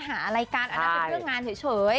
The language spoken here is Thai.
ใช่ค่ะเอฟซี่